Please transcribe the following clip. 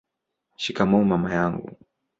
shikamoo mama wangu